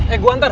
eh gua antar